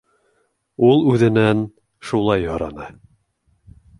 Ул үҙенән шулай һораны.